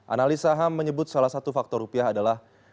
analisa ham menyebut salah satu faktor rupiah adalah